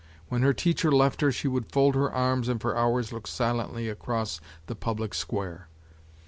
When her teacher left her she would fold her arms and for hours look silently across the public square.